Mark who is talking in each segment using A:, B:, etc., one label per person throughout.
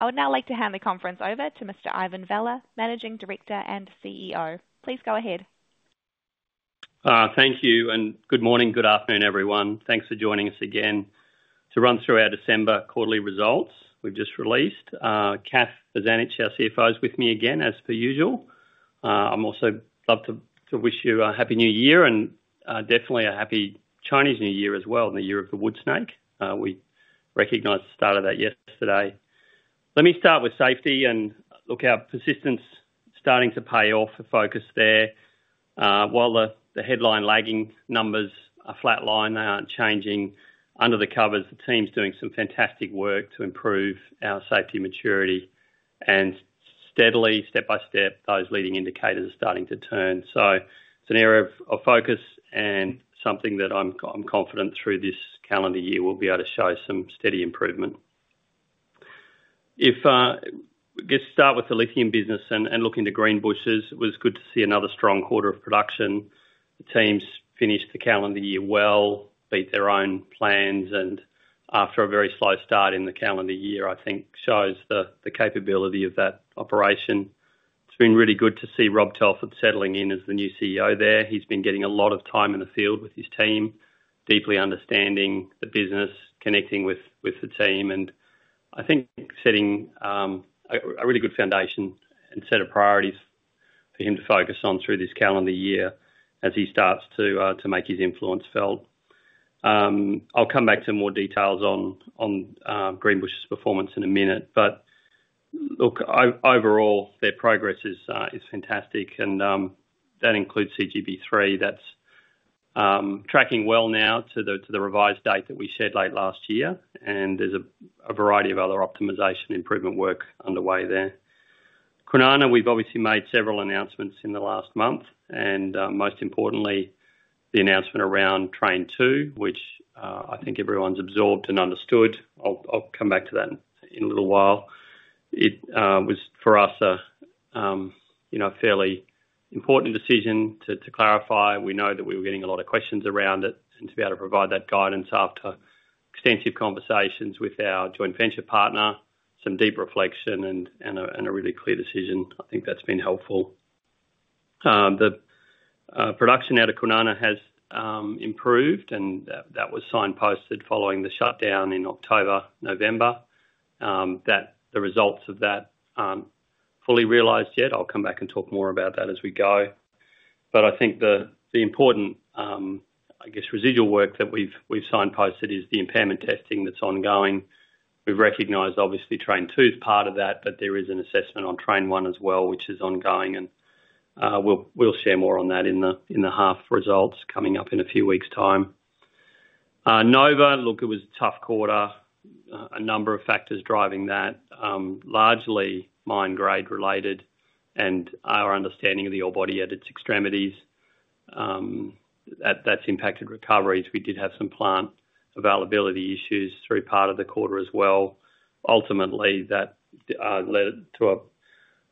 A: I would now like to hand the conference over to Mr. Ivan Vella, Managing Director and CEO. Please go ahead.
B: Thank you, and good morning, good afternoon, everyone. Thanks for joining us again to run through our December quarterly results we've just released. Kath Bozanic, our CFO, is with me again, as per usual. I'd also love to wish you a Happy New Year and definitely a Happy Chinese New Year as well, the Year of the Wood Snake. We recognized the start of that yesterday. Let me start with safety and look how persistence is starting to pay off for focus there. While the headline lagging numbers are flatlined, they aren't changing. Under the covers, the team's doing some fantastic work to improve our safety maturity, and steadily, step by step, those leading indicators are starting to turn. So it's an area of focus and something that I'm confident through this calendar year we'll be able to show some steady improvement. If we start with the lithium business and look into Greenbushes, it was good to see another strong quarter of production. The team's finished the calendar year well, beat their own plans, and after a very slow start in the calendar year, I think shows the capability of that operation. It's been really good to see Rob Telford settling in as the new CEO there. He's been getting a lot of time in the field with his team, deeply understanding the business, connecting with the team, and I think setting a really good foundation and set of priorities for him to focus on through this calendar year as he starts to make his influence felt. I'll come back to more details on Greenbushes' performance in a minute, but look, overall, their progress is fantastic, and that includes CGP3. That's tracking well now to the revised date that we shared late last year, and there's a variety of other optimization improvement work underway there. Kwinana, we've obviously made several announcements in the last month, and most importantly, the announcement around Train 2, which I think everyone's absorbed and understood. I'll come back to that in a little while. It was, for us, a fairly important decision to clarify. We know that we were getting a lot of questions around it, and to be able to provide that guidance after extensive conversations with our joint venture partner, some deep reflection, and a really clear decision, I think that's been helpful. The production out of Kwinana has improved, and that was signposted following the shutdown in October, November. The results of that aren't fully realized yet. I'll come back and talk more about that as we go. But I think the important, I guess, residual work that we've signposted is the impairment testing that's ongoing. We've recognized, obviously, Train 2 is part of that, but there is an assessment on Train 1 as well, which is ongoing, and we'll share more on that in the half results coming up in a few weeks' time. Nova, look, it was a tough quarter. A number of factors driving that, largely mine-grade related and our understanding of the ore body at its extremities. That's impacted recoveries. We did have some plant availability issues through part of the quarter as well. Ultimately, that led to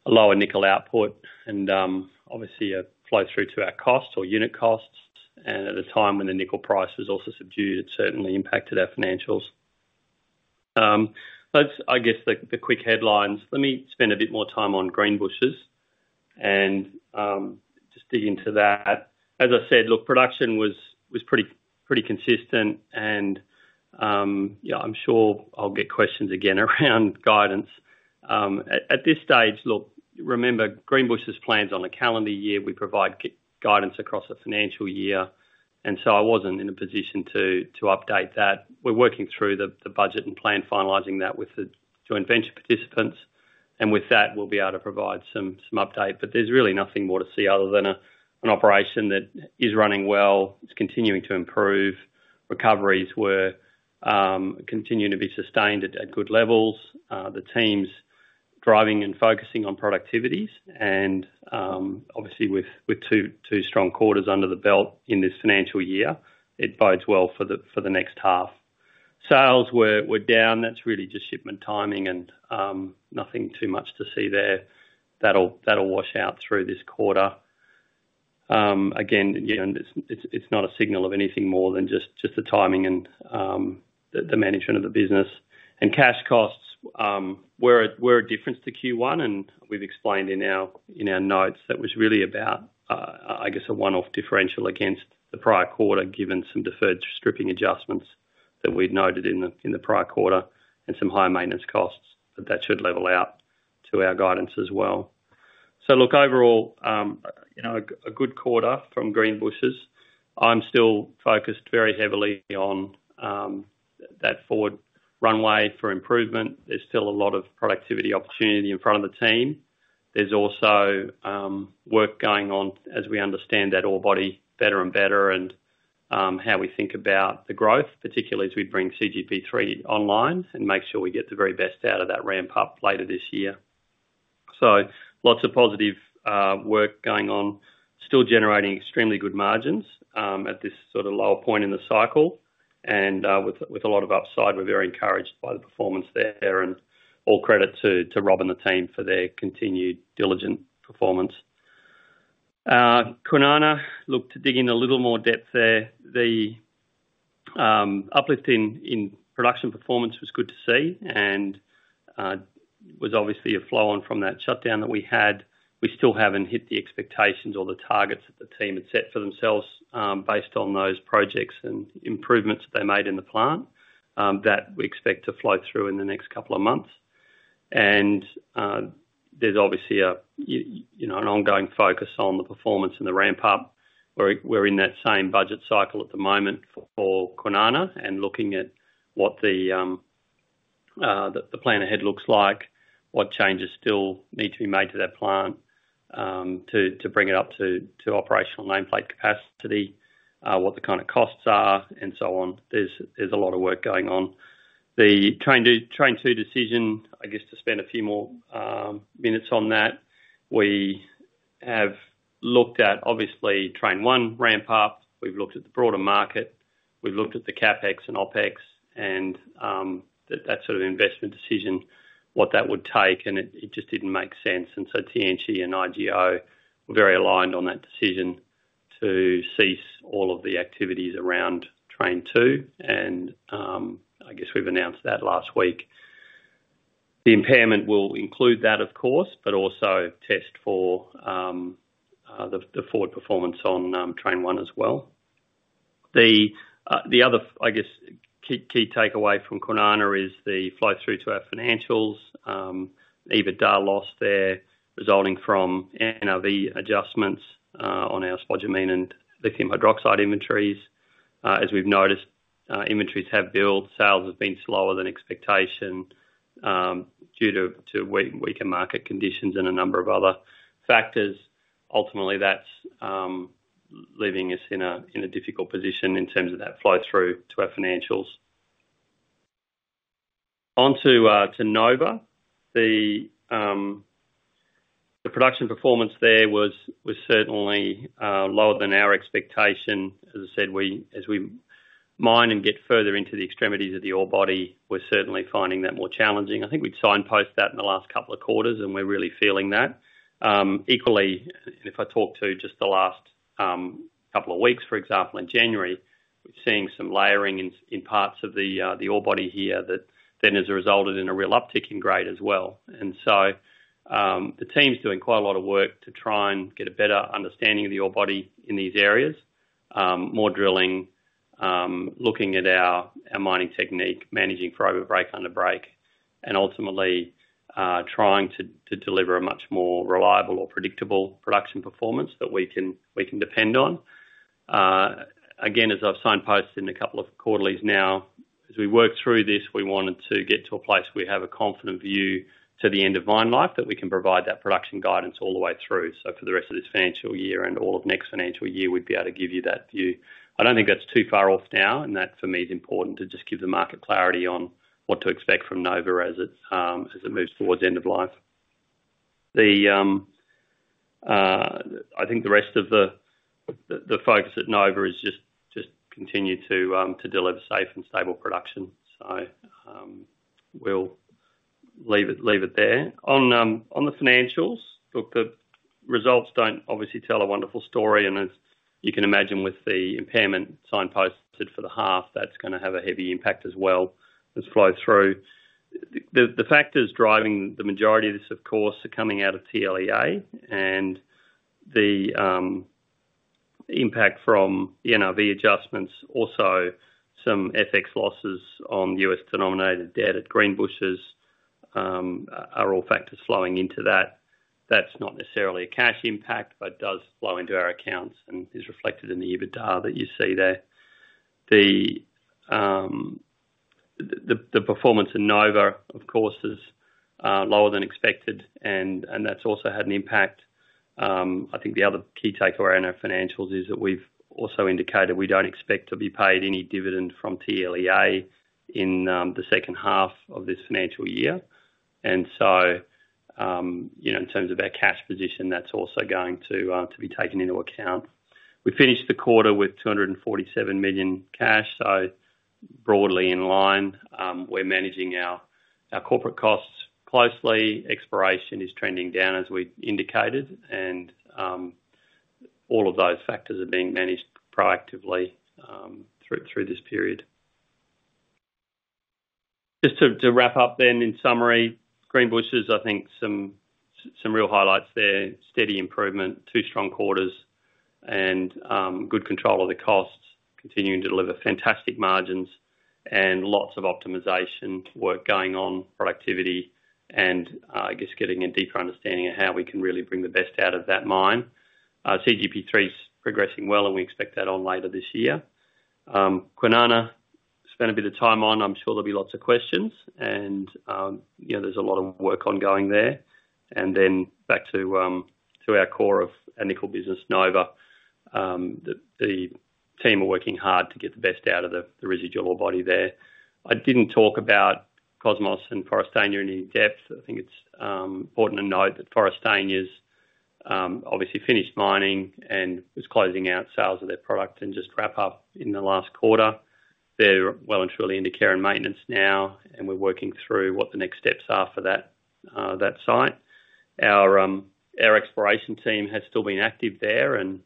B: a lower nickel output and, obviously, a flow through to our costs or unit costs. And at a time when the nickel price was also subdued, it certainly impacted our financials. That's, I guess, the quick headlines. Let me spend a bit more time on Greenbushes and just dig into that. As I said, look, production was pretty consistent, and I'm sure I'll get questions again around guidance. At this stage, look, remember, Greenbushes plans on a calendar year. We provide guidance across a financial year, and so I wasn't in a position to update that. We're working through the budget and plan, finalizing that with the joint venture participants, and with that, we'll be able to provide some update. But there's really nothing more to see other than an operation that is running well. It's continuing to improve. Recoveries were continuing to be sustained at good levels. The team's driving and focusing on productivities, and obviously, with two strong quarters under the belt in this financial year, it bodes well for the next half. Sales were down. That's really just shipment timing and nothing too much to see there. That'll wash out through this quarter. Again, it's not a signal of anything more than just the timing and the management of the business. And cash costs were a difference to Q1, and we've explained in our notes that was really about, I guess, a one-off differential against the prior quarter, given some deferred stripping adjustments that we'd noted in the prior quarter and some high maintenance costs, but that should level out to our guidance as well. So look, overall, a good quarter from Greenbushes. I'm still focused very heavily on that forward runway for improvement. There's still a lot of productivity opportunity in front of the team. There's also work going on, as we understand that ore body better and better and how we think about the growth, particularly as we bring CGP3 online and make sure we get the very best out of that ramp-up later this year. So lots of positive work going on, still generating extremely good margins at this sort of lower point in the cycle and with a lot of upside. We're very encouraged by the performance there, and all credit to Rob and the team for their continued diligent performance. Kwinana, look, to dig in a little more depth there. The uplift in production performance was good to see and was obviously a flow-on from that shutdown that we had. We still haven't hit the expectations or the targets that the team had set for themselves based on those projects and improvements that they made in the plant that we expect to flow through in the next couple of months, and there's obviously an ongoing focus on the performance and the ramp-up. We're in that same budget cycle at the moment for Kwinana and looking at what the plan ahead looks like, what changes still need to be made to that plant to bring it up to operational nameplate capacity, what the kind of costs are, and so on. There's a lot of work going on. The Train 2 decision, I guess, to spend a few more minutes on that. We have looked at, obviously, Train 1 ramp-up. We've looked at the broader market. We've looked at the CapEx and OpEx and that sort of investment decision, what that would take, and it just didn't make sense. And so TLC and IGO were very aligned on that decision to cease all of the activities around Train 2, and I guess we've announced that last week. The impairment will include that, of course, but also test for the forward performance on Train 1 as well. The other, I guess, key takeaway from Kwinana is the flow through to our financials. Even a large loss there resulting from NRV adjustments on our spodumene and lithium hydroxide inventories. As we've noticed, inventories have built. Sales have been slower than expectation due to weaker market conditions and a number of other factors. Ultimately, that's leaving us in a difficult position in terms of that flow through to our financials. On to Nova. The production performance there was certainly lower than our expectation. As I said, as we mine and get further into the extremities of the ore body, we're certainly finding that more challenging. I think we'd signpost that in the last couple of quarters, and we're really feeling that. Equally, if I talk to just the last couple of weeks, for example, in January, we're seeing some layering in parts of the ore body here that then has resulted in a real uptick in grade as well. And so the team's doing quite a lot of work to try and get a better understanding of the ore body in these areas, more drilling, looking at our mining technique, managing for overbreak, underbreak, and ultimately trying to deliver a much more reliable or predictable production performance that we can depend on. Again, as I've signposted in a couple of quarters now, as we work through this, we wanted to get to a place where we have a confident view to the end of mine life that we can provide that production guidance all the way through. So for the rest of this financial year and all of next financial year, we'd be able to give you that view. I don't think that's too far off now, and that, for me, is important to just give the market clarity on what to expect from Nova as it moves towards end of life. I think the rest of the focus at Nova is just continue to deliver safe and stable production, so we'll leave it there. On the financials, look, the results don't obviously tell a wonderful story, and as you can imagine, with the impairment signposted for the half, that's going to have a heavy impact as well as flow through. The factors driving the majority of this, of course, are coming out of TLEA and the impact from the NRV adjustments. Also, some FX losses on U.S.-denominated debt at Greenbushes are all factors flowing into that. That's not necessarily a cash impact, but it does flow into our accounts and is reflected in the EBITDA that you see there. The performance in Nova, of course, is lower than expected, and that's also had an impact. I think the other key takeaway in our financials is that we've also indicated we don't expect to be paid any dividend from TLEA in the second half of this financial year. And so in terms of our cash position, that's also going to be taken into account. We finished the quarter with 247 million cash, so broadly in line. We're managing our corporate costs closely. OpEx is trending down, as we indicated, and all of those factors are being managed proactively through this period. Just to wrap up then, in summary, Greenbushes, I think some real highlights there: steady improvement, two strong quarters, and good control of the costs, continuing to deliver fantastic margins and lots of optimization work going on, productivity, and I guess getting a deeper understanding of how we can really bring the best out of that mine. CGP3's progressing well, and we expect that online later this year. Kwinana, spend a bit of time on. I'm sure there'll be lots of questions, and there's a lot of work ongoing there. And then back to our core of our nickel business, Nova. The team are working hard to get the best out of the residual ore body there. I didn't talk about Cosmos and Forrestania in any depth. I think it's important to note that Forrestania's obviously finished mining and was closing out sales of their product and just wrapped up in the last quarter. They're well and truly into care and maintenance now, and we're working through what the next steps are for that site. Our exploration team has still been active there and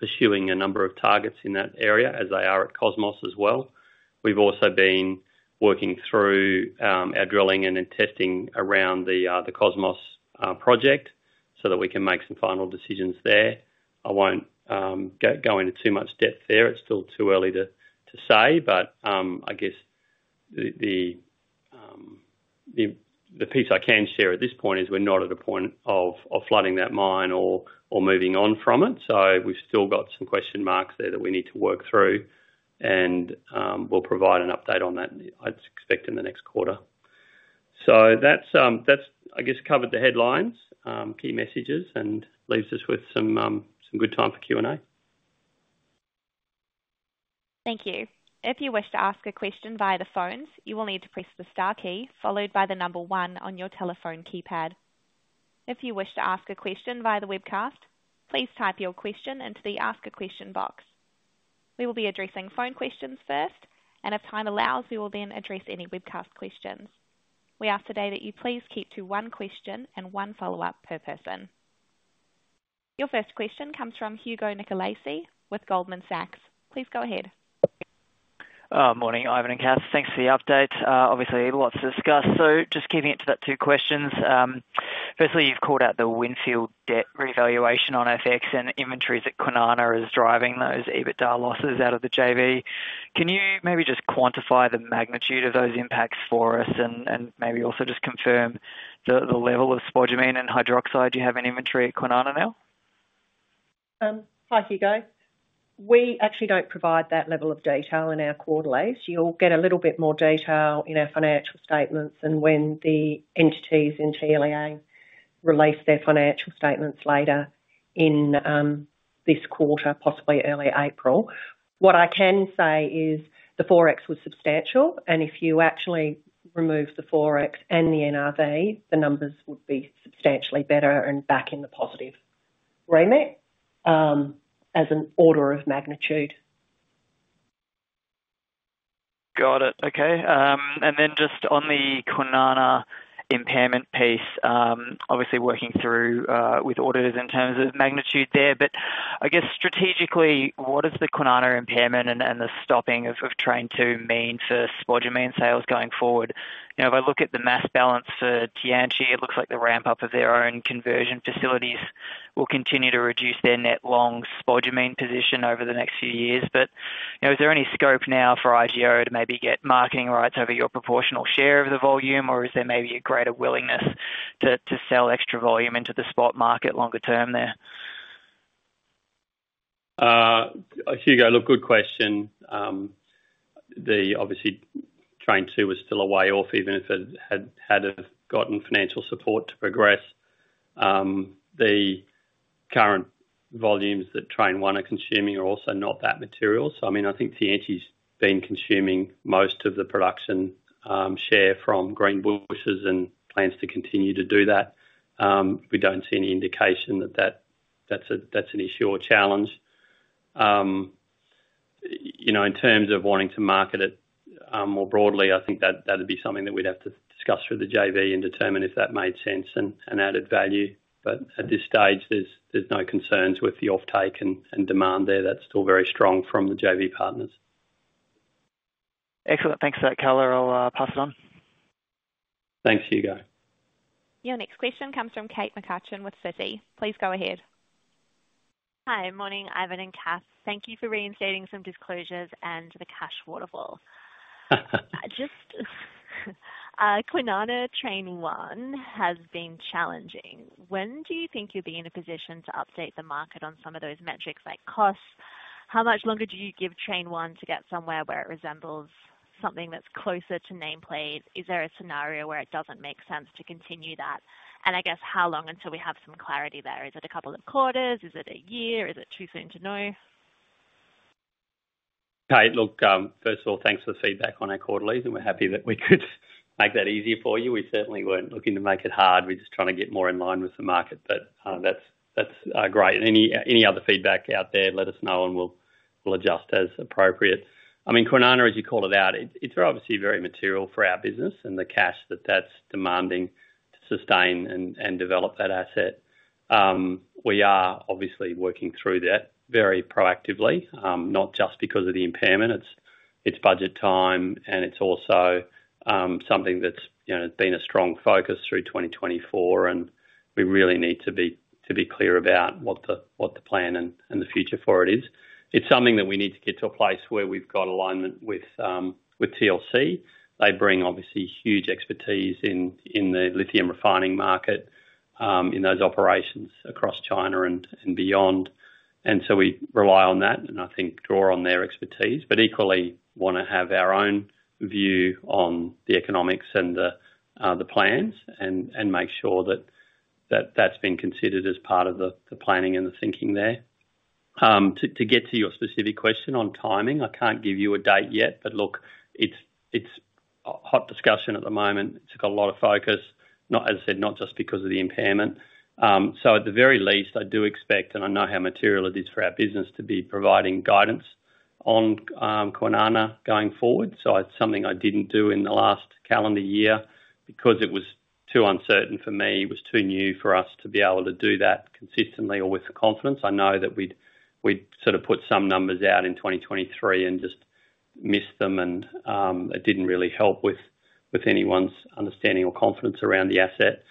B: pursuing a number of targets in that area, as they are at Cosmos as well. We've also been working through our drilling and testing around the Cosmos project so that we can make some final decisions there. I won't go into too much depth there. It's still too early to say, but I guess the piece I can share at this point is we're not at a point of flooding that mine or moving on from it. So we've still got some question marks there that we need to work through, and we'll provide an update on that, I expect, in the next quarter. So that's, I guess, covered the headlines, key messages, and leaves us with some good time for Q&A.
A: Thank you. If you wish to ask a question via the phones, you will need to press the star key followed by the number one on your telephone keypad. If you wish to ask a question via the webcast, please type your question into the ask a question box. We will be addressing phone questions first, and if time allows, we will then address any webcast questions. We ask today that you please keep to one question and one follow-up per person. Your first question comes from Hugo Nicolaci with Goldman Sachs. Please go ahead.
C: Morning, Ivan and Kath. Thanks for the update. Obviously, lots to discuss. So just keeping it to that two questions. Firstly, you've called out the Windfield debt revaluation on FX, and inventories at Kwinana are driving those EBITDA losses out of the JV. Can you maybe just quantify the magnitude of those impacts for us and maybe also just confirm the level of spodumene and hydroxide you have in inventory at Kwinana now?
D: Hi, Hugo. We actually don't provide that level of detail in our quarterlies. You'll get a little bit more detail in our financial statements and when the entities in TLEA release their financial statements later in this quarter, possibly early April. What I can say is the FX was substantial, and if you actually remove the FX and the NRV, the numbers would be substantially better and back in the positive regime as an order of magnitude.
C: Got it. Okay. And then just on the Kwinana impairment piece, obviously working through with auditors in terms of magnitude there, but I guess strategically, what does the Kwinana impairment and the stopping of Train 2 mean for spodumene sales going forward? If I look at the mass balance for Tianqi, it looks like the ramp-up of their own conversion facilities will continue to reduce their net long spodumene position over the next few years. But is there any scope now for IGO to maybe get marketing rights over your proportional share of the volume, or is there maybe a greater willingness to sell extra volume into the spot market longer term there?
B: Hugo, look, good question. Obviously, Train 2 was still a way off, even if it had gotten financial support to progress. The current volumes that Train 1 are consuming are also not that material. So, I mean, I think Tianqi's been consuming most of the production share from Greenbushes and plans to continue to do that. We don't see any indication that that's an issue or challenge. In terms of wanting to market it more broadly, I think that'd be something that we'd have to discuss with the JV and determine if that made sense and added value. But at this stage, there's no concerns with the offtake and demand there. That's still very strong from the JV partners.
C: Excellent. Thanks for that, caller. I'll pass it on.
B: Thanks, Hugo.
A: Your next question comes from Kate McCutcheon with Citi. Please go ahead.
E: Hi, morning, Ivan and Kath. Thank you for reinstating some disclosures and the cash waterfall. Just Kwinana Train 1 has been challenging. When do you think you'll be in a position to update the market on some of those metrics like costs? How much longer do you give Train 1 to get somewhere where it resembles something that's closer to nameplate? Is there a scenario where it doesn't make sense to continue that? And I guess how long until we have some clarity there? Is it a couple of quarters? Is it a year? Is it too soon to know?
B: Okay. Look, first of all, thanks for the feedback on our quarterlies, and we're happy that we could make that easier for you. We certainly weren't looking to make it hard. We're just trying to get more in line with the market, but that's great. Any other feedback out there, let us know, and we'll adjust as appropriate. I mean, Kwinana, as you call it out, it's obviously very material for our business and the cash that that's demanding to sustain and develop that asset. We are obviously working through that very proactively, not just because of the impairment. It's budget time, and it's also something that's been a strong focus through 2024, and we really need to be clear about what the plan and the future for it is. It's something that we need to get to a place where we've got alignment with TLC. They bring obviously huge expertise in the lithium refining market, in those operations across China and beyond. And so we rely on that and, I think, draw on their expertise, but equally want to have our own view on the economics and the plans and make sure that that's been considered as part of the planning and the thinking there. To get to your specific question on timing, I can't give you a date yet, but look, it's hot discussion at the moment. It's got a lot of focus, as I said, not just because of the impairment. So at the very least, I do expect, and I know how material it is for our business to be providing guidance on Kwinana going forward. So it's something I didn't do in the last calendar year because it was too uncertain for me. It was too new for us to be able to do that consistently or with confidence. I know that we'd sort of put some numbers out in 2023 and just missed them, and it didn't really help with anyone's understanding or confidence around the asset.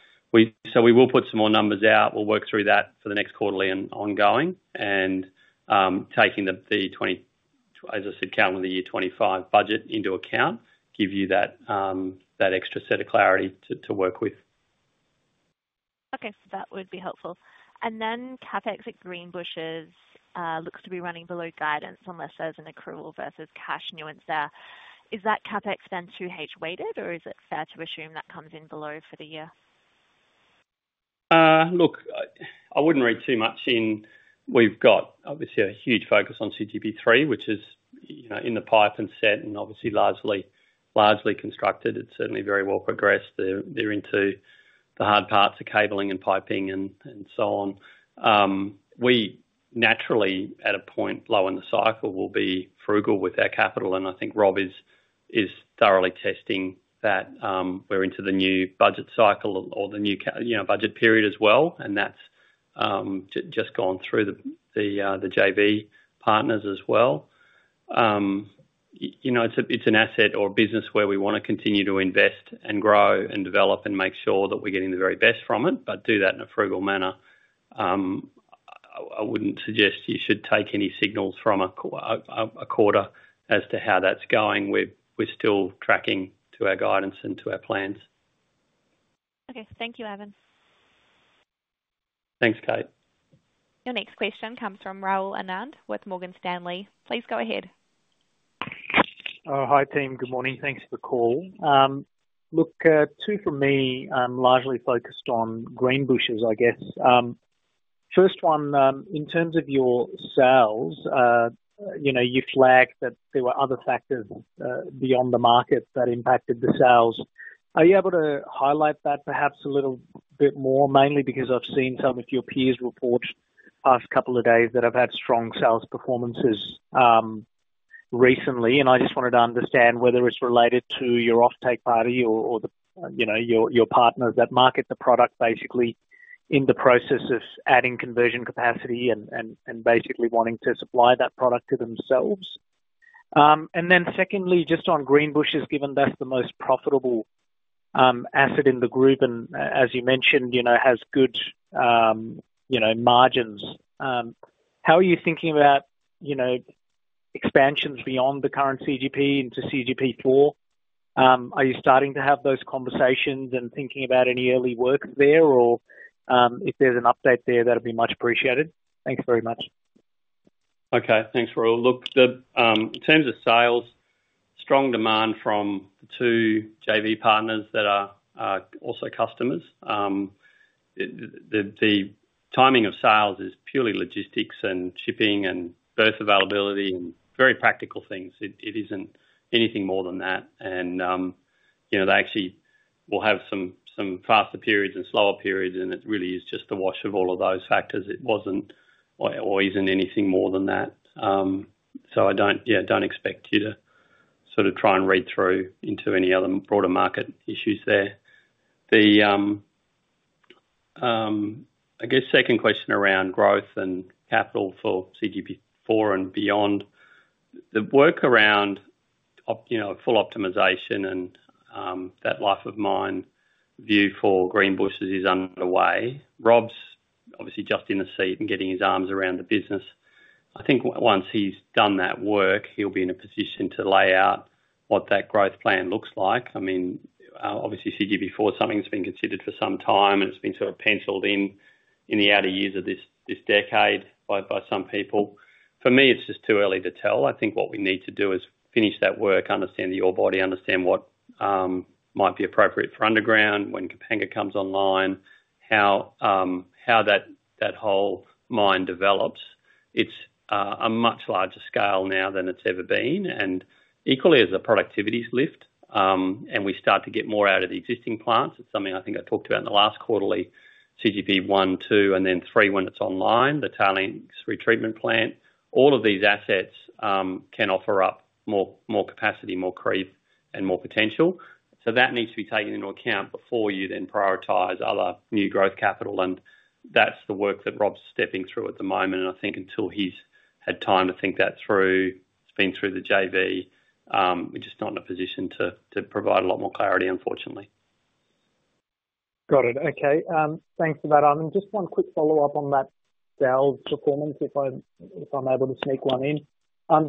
B: So we will put some more numbers out. We'll work through that for the next quarterly and ongoing. And taking the, as I said, calendar year 2025 budget into account, give you that extra set of clarity to work with.
E: Okay. That would be helpful. And then CapEx at Greenbushes looks to be running below guidance unless there's an accrual versus cash nuance there. Is that CapEx then 2H-weighted, or is it fair to assume that comes in below for the year?
B: Look, I wouldn't read too much in. We've got obviously a huge focus on CGP3, which is in the pipeline and set and obviously largely constructed. It's certainly very well progressed. They're into the hard parts of cabling and piping and so on. We naturally, at a point low in the cycle, will be frugal with our capital, and I think Rob is thoroughly testing that. We're into the new budget cycle or the new budget period as well, and that's just gone through the JV partners as well. It's an asset or a business where we want to continue to invest and grow and develop and make sure that we're getting the very best from it, but do that in a frugal manner. I wouldn't suggest you should take any signals from a quarter as to how that's going. We're still tracking to our guidance and to our plans.
E: Okay. Thank you, Ivan.
B: Thanks, Kate.
A: Your next question comes from Rahul Anand with Morgan Stanley. Please go ahead.
F: Hi, team. Good morning. Thanks for the call. Look, two for me, largely focused on Greenbushes, I guess. First one, in terms of your sales, you flagged that there were other factors beyond the market that impacted the sales. Are you able to highlight that perhaps a little bit more, mainly because I've seen some of your peers report the past couple of days that have had strong sales performances recently? And I just wanted to understand whether it's related to your offtake partner or your partners that market the product basically in the process of adding conversion capacity and basically wanting to supply that product to themselves. And then secondly, just on Greenbushes, given that's the most profitable asset in the group and, as you mentioned, has good margins, how are you thinking about expansions beyond the current CGP into CGP4? Are you starting to have those conversations and thinking about any early work there, or if there's an update there, that'd be much appreciated? Thanks very much.
B: Okay. Thanks, Rahul. Look, in terms of sales, strong demand from the two JV partners that are also customers. The timing of sales is purely logistics and shipping and berth availability and very practical things. It isn't anything more than that. And they actually will have some faster periods and slower periods, and it really is just the wash of all of those factors. It wasn't or isn't anything more than that. So I don't expect you to sort of try and read through into any other broader market issues there. I guess second question around growth and capital for CGP4 and beyond. The work around full optimization and that life-of-mine view for Greenbushes is underway. Rob's obviously just in the seat and getting his arms around the business. I think once he's done that work, he'll be in a position to lay out what that growth plan looks like. I mean, obviously, CGP4 is something that's been considered for some time, and it's been sort of penciled in in the outer years of this decade by some people. For me, it's just too early to tell. I think what we need to do is finish that work, understand the ore body, understand what might be appropriate for underground when Kapanga comes online, how that whole mine develops. It's a much larger scale now than it's ever been, and equally as the productivity's lift, and we start to get more out of the existing plants. It's something I think I talked about in the last quarterly, CGP1, 2, and then 3 when it's online, the Tailings retreatment plant. All of these assets can offer up more capacity, more grade, and more potential. So that needs to be taken into account before you then prioritize other new growth capital. That's the work that Rob's stepping through at the moment. I think until he's had time to think that through, it's been through the JV. We're just not in a position to provide a lot more clarity, unfortunately.
F: Got it. Okay. Thanks for that, Ivan. Just one quick follow-up on that sales performance, if I'm able to sneak one in.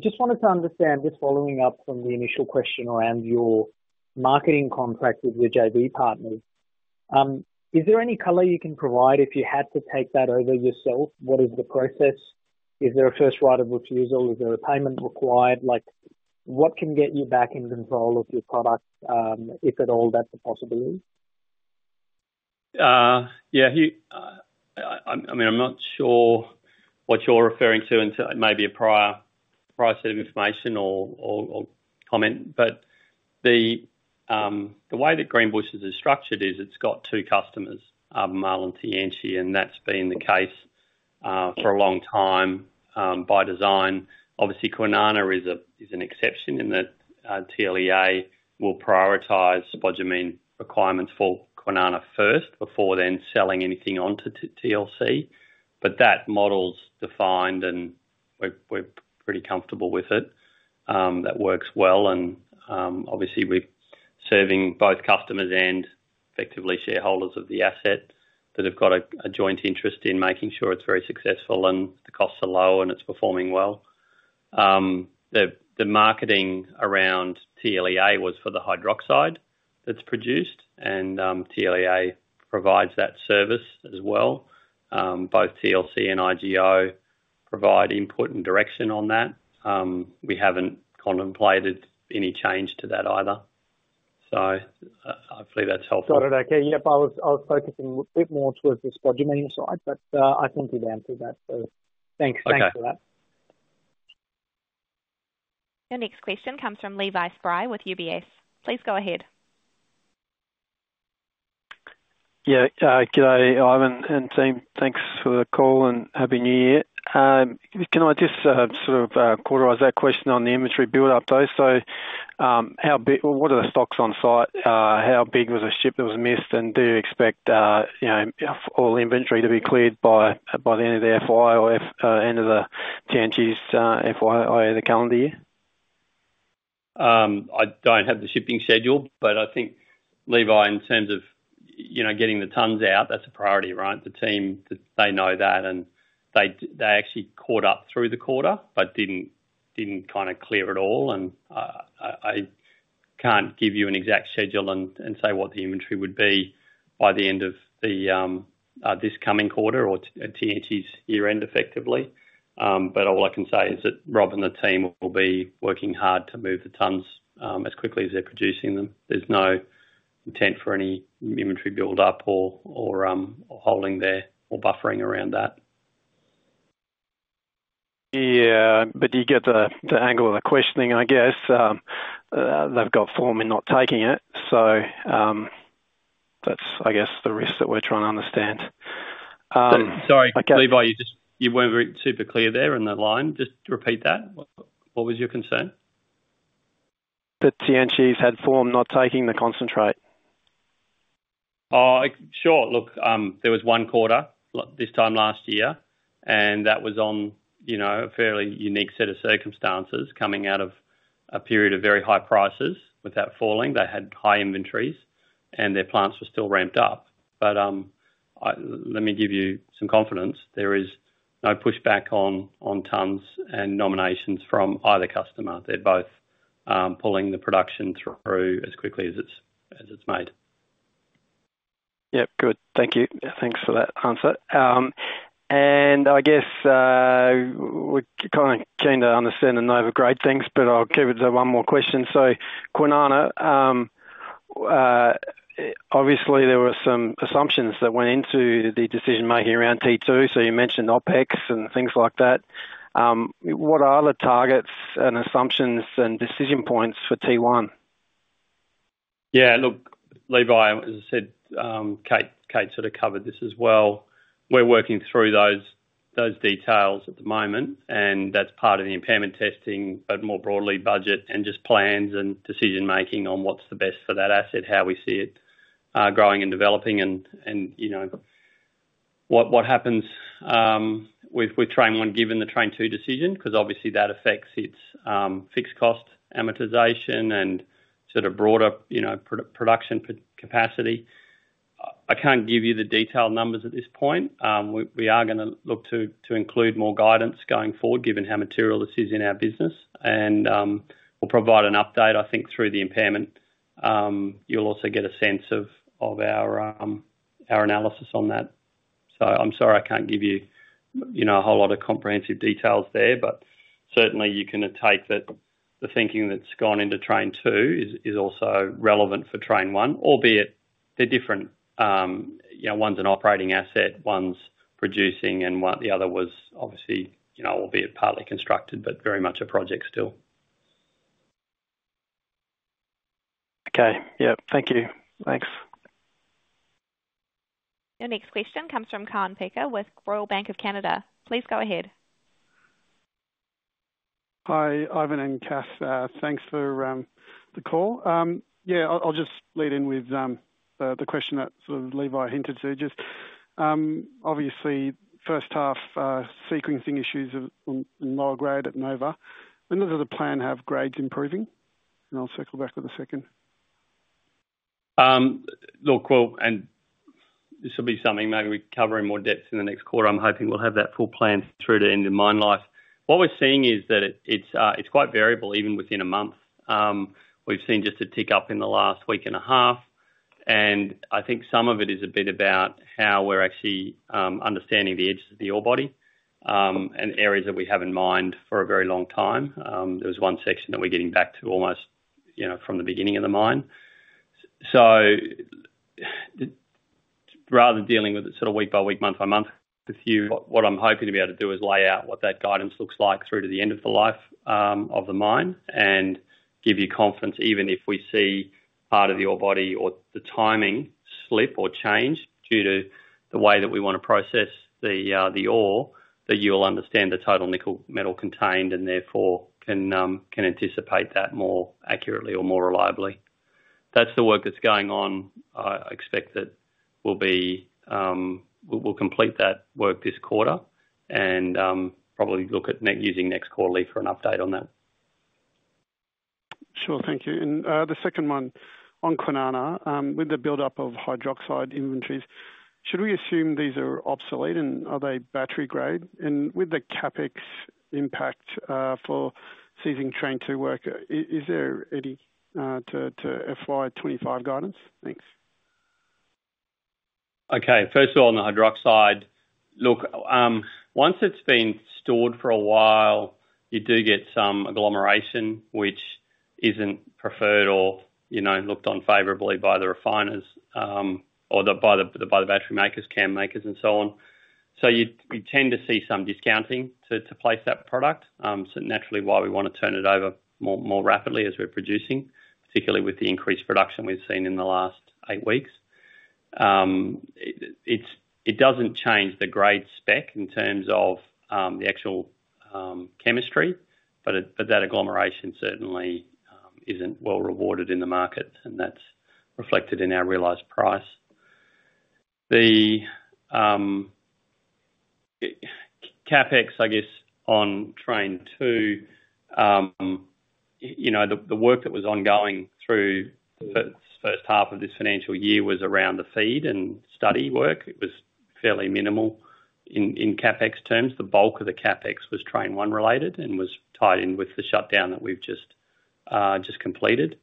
F: Just wanted to understand just following up from the initial question around your marketing contract with your JV partners. Is there any color you can provide if you had to take that over yourself? What is the process? Is there a first right of refusal? Is there a payment required? What can get you back in control of your product if at all that's a possibility?
B: Yeah. I mean, I'm not sure what you're referring to in maybe a prior set of information or comment, but the way that Greenbushes is structured is it's got two customers, Albemarle Tianqi, and that's been the case for a long time by design. Obviously, Kwinana is an exception in that TLEA will prioritize spodumene requirements for Kwinana first before then selling anything onto TLC. But that model's defined, and we're pretty comfortable with it. That works well. And obviously, we're serving both customers and effectively shareholders of the asset that have got a joint interest in making sure it's very successful and the costs are low and it's performing well. The marketing around TLEA was for the hydroxide that's produced, and TLEA provides that service as well. Both TLC and IGO provide input and direction on that. We haven't contemplated any change to that either. So hopefully that's helpful.
F: Got it. Okay. Yep. I was focusing a bit more towards the spodumene side, but I think you've answered that, so thanks for that.
A: Okay. Your next question comes from Levi Spry with UBS. Please go ahead.
G: Yeah. Good day, Ivan and team. Thanks for the call and happy new year. Can I just sort of quantify that question on the inventory build-up, though? So what are the stocks on site? How big was a ship that was missed? And do you expect all inventory to be cleared by the end of the FY or end of the Tianqi's FY, the calendar year?
B: I don't have the shipping schedule, but I think Levi, in terms of getting the tons out, that's a priority, right? The team, they know that, and they actually caught up through the quarter but didn't kind of clear it all, and I can't give you an exact schedule and say what the inventory would be by the end of this coming quarter or Tianqi's year-end, effectively, but all I can say is that Rob and the team will be working hard to move the tons as quickly as they're producing them. There's no intent for any inventory build-up or holding there or buffering around that. Yeah, but you get the angle of the questioning, I guess. They've got form in not taking it, so that's, I guess, the risk that we're trying to understand. Sorry, Levi, you weren't super clear there in the line. Just repeat that. What was your concern?
G: That Tianqi's had form not taking the concentrate.
B: Sure. Look, there was one quarter this time last year, and that was on a fairly unique set of circumstances coming out of a period of very high prices without falling. They had high inventories, and their plants were still ramped up. But let me give you some confidence. There is no pushback on tons and nominations from either customer. They're both pulling the production through as quickly as it's made.
G: Yep. Good. Thank you. Thanks for that answer. And I guess we're kind of keen to understand and overgrade things, but I'll keep it to one more question. So Kwinana, obviously, there were some assumptions that went into the decision-making around T2. So you mentioned OPEX and things like that. What are the targets and assumptions and decision points for T1?
B: Yeah. Look, Levi, as I said, Kate sort of covered this as well. We're working through those details at the moment, and that's part of the impairment testing, but more broadly, budget and just plans and decision-making on what's the best for that asset, how we see it growing and developing, and what happens with Train 1 given the Train 2 decision, because obviously that affects its fixed cost amortization and sort of broader production capacity. I can't give you the detailed numbers at this point. We are going to look to include more guidance going forward, given how material this is in our business, and we'll provide an update, I think, through the impairment. You'll also get a sense of our analysis on that. So, I'm sorry I can't give you a whole lot of comprehensive details there, but certainly you can take the thinking that's gone into Train 2 is also relevant for Train 1, albeit they're different. One's an operating asset, one's producing, and the other was obviously, albeit partly constructed, but very much a project still.
G: Okay. Yep. Thank you.
B: Thanks.
A: Your next question comes from Kaan Peker with Royal Bank of Canada.Please go ahead.
H: Hi, Ivan and Kath. Thanks for the call. Yeah. I'll just lead in with the question that sort of Levi hinted to. Just obviously, first half sequencing issues in lower grade at Nova. When does the plan have grades improving? And I'll circle back with a second.
B: Look, well, and this will be something maybe we cover in more depth in the next quarter. I'm hoping we'll have that full plan through to end of mine life. What we're seeing is that it's quite variable even within a month. We've seen just a tick up in the last week and a half, and I think some of it is a bit about how we're actually understanding the edges of the ore body and areas that we have in mind for a very long time. There was one section that we're getting back to almost from the beginning of the mine. So rather than dealing with it sort of week by week, month by month with you, what I'm hoping to be able to do is lay out what that guidance looks like through to the end of the life of the mine and give you confidence even if we see part of the ore body or the timing slip or change due to the way that we want to process the ore, that you'll understand the total nickel metal contained and therefore can anticipate that more accurately or more reliably. That's the work that's going on. I expect that we'll complete that work this quarter and probably look at using next quarterly for an update on that.
H: Sure. Thank you. And the second one on Kwinana, with the build-up of hydroxide inventories, should we assume these are obsolete and are they battery-grade? And with the CapEx impact for ceasing Train 2 work, is there any to FY25 guidance? Thanks.
B: Okay. First of all, on the hydroxide, look, once it's been stored for a while, you do get some agglomeration, which isn't preferred or looked on favorably by the refiners or by the battery makers, CAM makers, and so on. So you tend to see some discounting to place that product. So naturally, why we want to turn it over more rapidly as we're producing, particularly with the increased production we've seen in the last eight weeks. It doesn't change the grade spec in terms of the actual chemistry, but that agglomeration certainly isn't well-rewarded in the market, and that's reflected in our realized price. The CapEx, I guess, on Train 2, the work that was ongoing through the first half of this financial year was around the feed and study work. It was fairly minimal in CapEx terms. The bulk of the CapEx was Train 1 related and was tied in with the shutdown that we've just completed.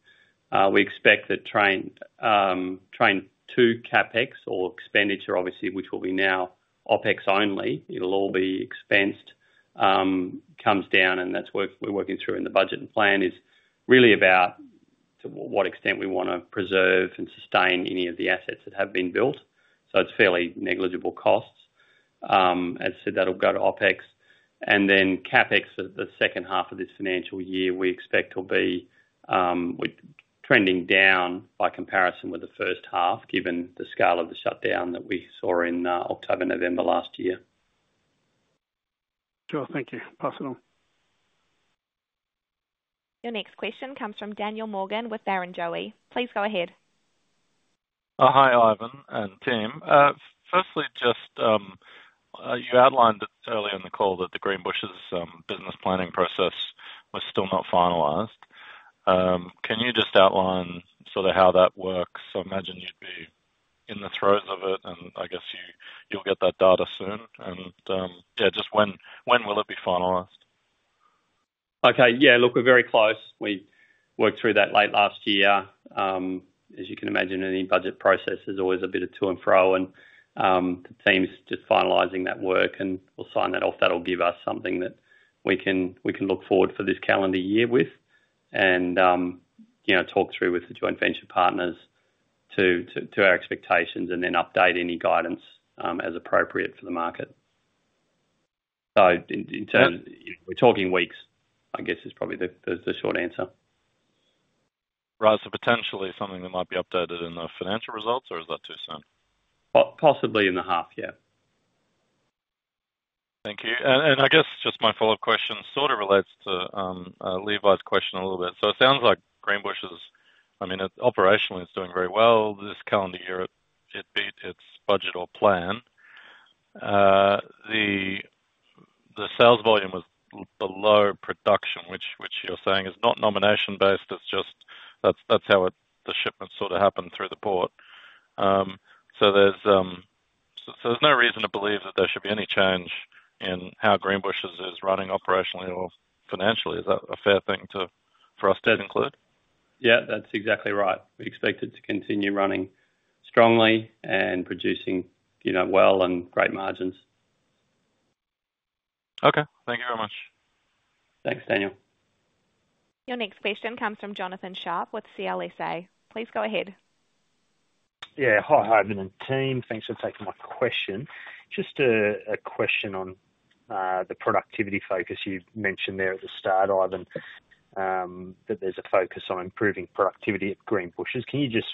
B: We expect that Train 2 CapEx or expenditure, obviously, which will be now OpEx only, it'll all be expensed, comes down, and that's what we're working through in the budget and plan is really about to what extent we want to preserve and sustain any of the assets that have been built. So it's fairly negligible costs. As I said, that'll go to OpEx. And then CapEx for the second half of this financial year, we expect will be trending down by comparison with the first half, given the scale of the shutdown that we saw in October, November last year.
H: Sure. Thank you. Pass it on.
A: Your next question comes from Daniel Morgan with Barrenjoey. Please go ahead.
I: Hi, Ivan and team. Firstly, just you outlined earlier in the call that the Greenbushes business planning process was still not finalized. Can you just outline sort of how that works? I imagine you'd be in the throes of it, and I guess you'll get that data soon. And yeah, just when will it be finalized?
B: Okay. Yeah. Look, we're very close. We worked through that late last year. As you can imagine, any budget process is always a bit of to and fro, and the team's just finalizing that work, and we'll sign that off. That'll give us something that we can look forward for this calendar year with and talk through with the joint venture partners to our expectations and then update any guidance as appropriate for the market. So we're talking weeks, I guess, is probably the short answer.
I: Right. So potentially something that might be updated in the financial results, or is that too soon?
B: Possibly in the half year.
I: Thank you. And I guess just my follow-up question sort of relates to Levi's question a little bit. So it sounds like Greenbushes, I mean, operationally it's doing very well this calendar year at its budget or plan. The sales volume was below production, which you're saying is not nomination-based. That's how the shipment sort of happened through the port. So there's no reason to believe that there should be any change in how Greenbushes is running operationally or financially. Is that a fair thing for us to include?
B: Yeah. That's exactly right. We expect it to continue running strongly and producing well and great margins.
I: Okay. Thank you very much.
B: Thanks, Daniel.
A: Your next question comes from Jonathan Sharp with CLSA. Please go ahead. Yeah.
J: Hi, Ivan and team. Thanks for taking my question. Just a question on the productivity focus you mentioned there at the start, Ivan, that there's a focus on improving productivity at Greenbushes. Can you just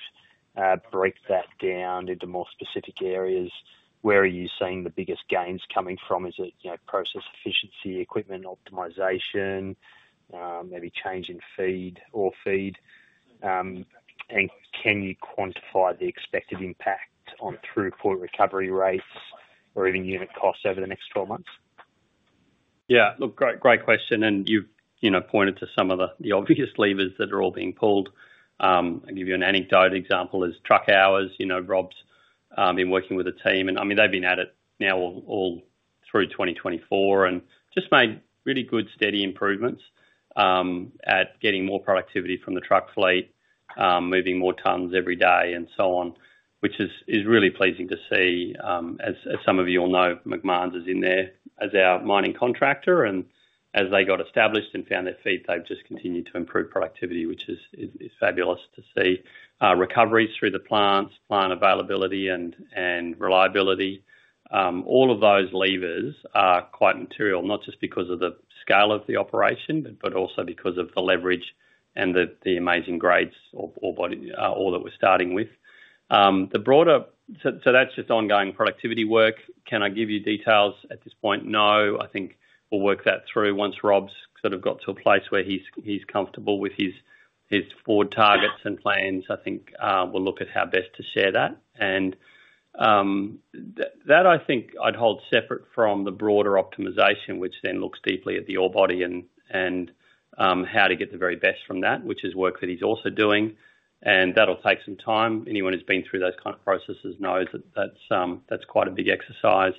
J: break that down into more specific areas? Where are you seeing the biggest gains coming from? Is it process efficiency, equipment optimization, maybe change in feed or feed? And can you quantify the expected impact on throughput recovery rates or even unit costs over the next 12 months?
B: Yeah. Look, great question. And you've pointed to some of the obvious levers that are all being pulled. I'll give you an anecdotal example as truck hours. Rob's been working with a team, and I mean, they've been at it now all through 2024 and just made really good steady improvements at getting more productivity from the truck fleet, moving more tons every day and so on, which is really pleasing to see. As some of you will know, Macmahon is in there as our mining contractor, and as they got established and found their feet, they've just continued to improve productivity, which is fabulous to see. Recoveries through the plants, plant availability and reliability, all of those levers are quite material, not just because of the scale of the operation, but also because of the leverage and the amazing grade ore body that we're starting with. So that's just ongoing productivity work. Can I give you details at this point? No. I think we'll work that through once Rob's sort of got to a place where he's comfortable with his forward targets and plans. I think we'll look at how best to share that. And that, I think, I'd hold separate from the broader optimization, which then looks deeply at the ore body and how to get the very best from that, which is work that he's also doing. And that'll take some time. Anyone who's been through those kind of processes knows that that's quite a big exercise.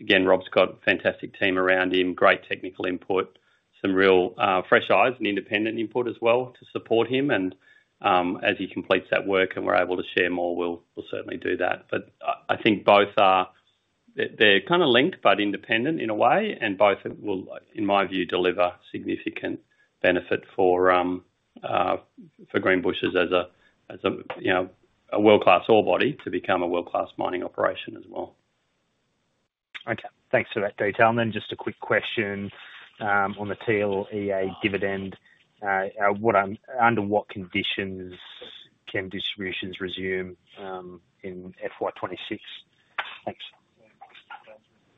B: Again, Rob's got a fantastic team around him, great technical input, some real fresh eyes and independent input as well to support him. And as he completes that work and we're able to share more, we'll certainly do that. But I think both are kind of linked but independent in a way, and both will, in my view, deliver significant benefit for Greenbushes as a world-class ore body to become a world-class mining operation as well. Okay. Thanks for that detail. And then just a quick question on the TLEA dividend, under what conditions can distributions resume in FY26?
J: Thanks.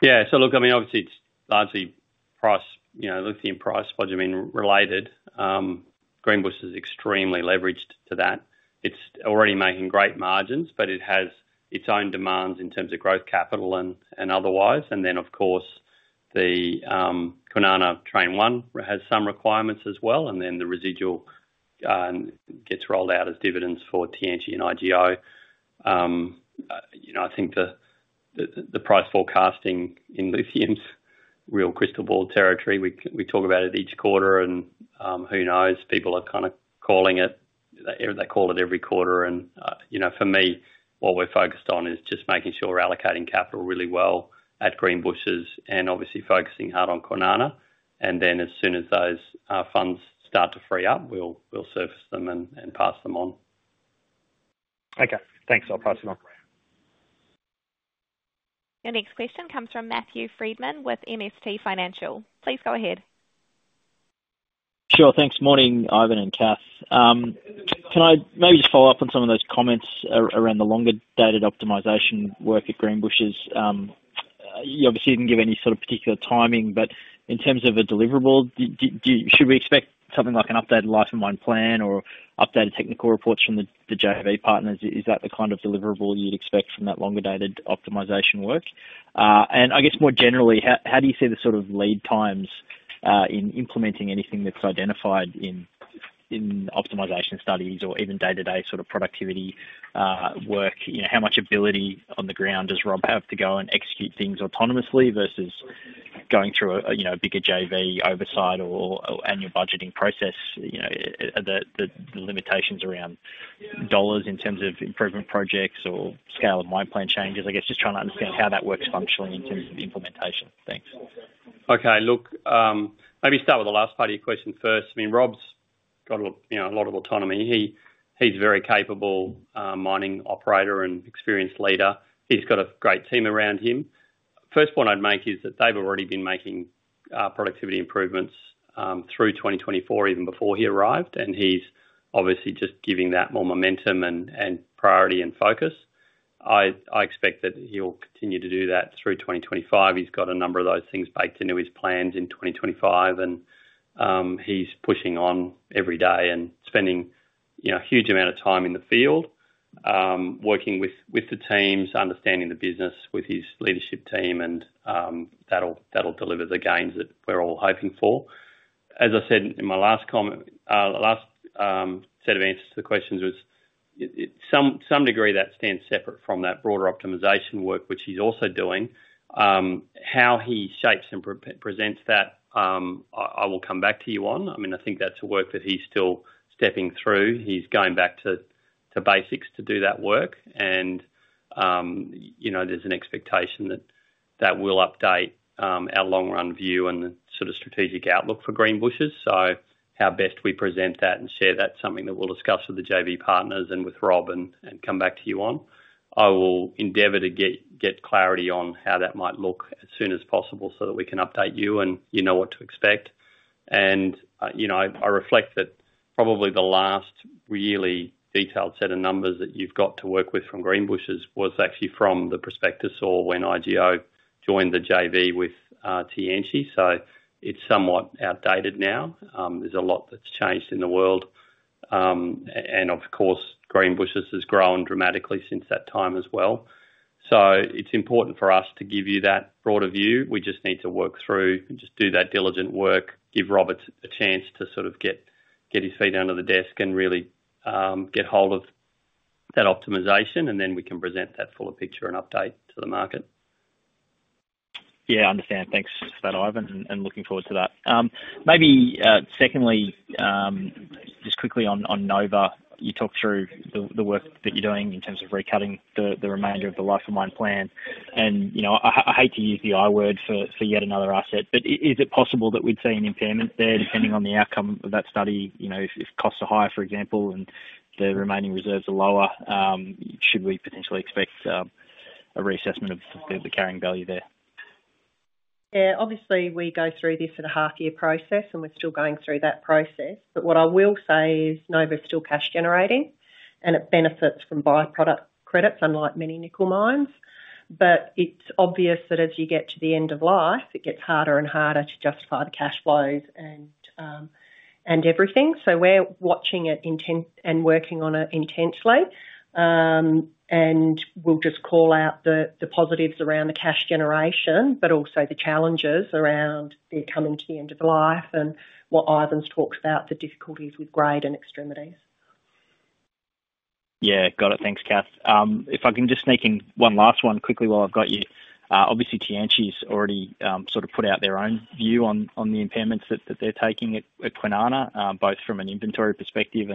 B: Yeah. So look, I mean, obviously, it's largely price, lithium price, budget related. Greenbushes is extremely leveraged to that. It's already making great margins, but it has its own demands in terms of growth capital and otherwise. And then, of course, the Kwinana Train 1 has some requirements as well. And then the residual gets rolled out as dividends for TLC and IGO. I think the price forecasting in lithium's real crystal ball territory. We talk about it each quarter, and who knows? People are kind of calling it. They call it every quarter. And for me, what we're focused on is just making sure we're allocating capital really well at Greenbushes and obviously focusing hard on Kwinana. And then as soon as those funds start to free up, we'll surface them and pass them on.
J: Okay. Thanks. I'll pass it on.
A: Your next question comes from Matthew Frydman with MST Financial. Please go ahead.
K: Sure. Thanks. Morning, Ivan and Kath. Can I maybe just follow up on some of those comments around the longer-dated optimization work at Greenbushes? You obviously didn't give any sort of particular timing, but in terms of a deliverable, should we expect something like an updated life-of-mine plan or updated technical reports from the JV partners? Is that the kind of deliverable you'd expect from that longer-dated optimization work? And I guess more generally, how do you see the sort of lead times in implementing anything that's identified in optimization studies or even day-to-day sort of productivity work? How much ability on the ground does Rob have to go and execute things autonomously versus going through a bigger JV oversight or annual budgeting process? The limitations around dollars in terms of improvement projects or scale of mine plan changes, I guess, just trying to understand how that works functionally in terms of implementation. Thanks.
B: Okay. Look, maybe start with the last part of your question first. I mean, Rob's got a lot of autonomy. He's a very capable mining operator and experienced leader. He's got a great team around him. First point I'd make is that they've already been making productivity improvements through 2024, even before he arrived, and he's obviously just giving that more momentum and priority and focus. I expect that he'll continue to do that through 2025. He's got a number of those things baked into his plans in 2025, and he's pushing on every day and spending a huge amount of time in the field, working with the teams, understanding the business with his leadership team, and that'll deliver the gains that we're all hoping for. As I said in my last comment, the last set of answers to the questions was, to some degree, that stands separate from that broader optimization work, which he's also doing. How he shapes and presents that, I will come back to you on. I mean, I think that's a work that he's still stepping through. He's going back to basics to do that work, and there's an expectation that that will update our long-run view and the sort of strategic outlook for Greenbushes, so how best we present that and share that is something that we'll discuss with the JV partners and with Rob and come back to you on. I will endeavor to get clarity on how that might look as soon as possible so that we can update you and you know what to expect, and I reflect that probably the last really detailed set of numbers that you've got to work with from Greenbushes was actually from the prospectus when IGO joined the JV with TLC, so it's somewhat outdated now. There's a lot that's changed in the world, and of course, Greenbushes has grown dramatically since that time as well. So it's important for us to give you that broader view. We just need to work through and just do that diligent work, give Rob a chance to sort of get his feet under the desk and really get hold of that optimization, and then we can present that fuller picture and update to the market. Yeah. I understand. Thanks for that, Ivan, and looking forward to that.
K: Maybe secondly, just quickly on Nova, you talked through the work that you're doing in terms of recutting the remainder of the life-of-mine plan. And I hate to use the I word for yet another asset, but is it possible that we'd see an impairment there depending on the outcome of that study? If costs are higher, for example, and the remaining reserves are lower, should we potentially expect a reassessment of the carrying value there?
D: Yeah. Obviously, we go through this in a half-year process, and we're still going through that process. But what I will say is Nova is still cash-generating, and it benefits from byproduct credits, unlike many nickel mines. But it's obvious that as you get to the end of life, it gets harder and harder to justify the cash flows and everything. So we're watching it and working on it intensely. And we'll just call out the positives around the cash generation, but also the challenges around it coming to the end of life and what Ivan's talked about, the difficulties with grade and recoveries.
K: Yeah. Got it. Thanks, Kath. If I can just sneak in one last one quickly while I've got you. Obviously, TLC has already sort of put out their own view on the impairments that they're taking at Kwinana, both from an inventory perspective